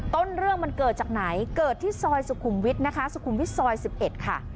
ต้นเรื่องมันเกิดจากไหนเกิดที่ซอยสุขุมวิทย์นะคะสุขุมวิทย์ซอย๑๑ค่ะ